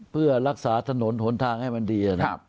เพื่อรักษาถนนทนทางให้มันดี